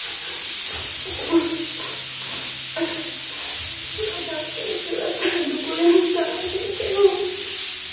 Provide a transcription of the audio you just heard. でもトラちゃんと一緒だったらどこでも楽しいけど。